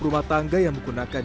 mereka tidak akan meng lampsan